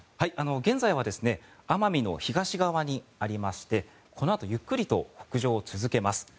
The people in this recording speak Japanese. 現在は奄美の東側にありましてこのあとゆっくりと北上を続けます。